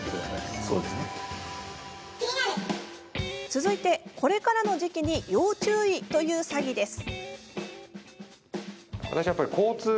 続いて、これからの時期に要注意という詐欺です。